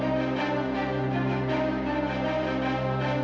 jadi aku akan jadi pilihan teman clever